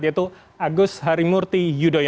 yaitu agus harimurti yudhoyono